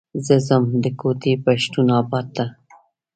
زه ځم د کوتي پښتون اباد ته.